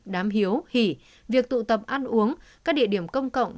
đám hiếu hỉ việc tụ tập ăn uống các địa điểm công cộng